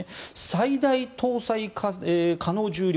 最大搭載可能重量